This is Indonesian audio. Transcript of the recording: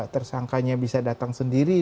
tersangkanya bisa datang sendiri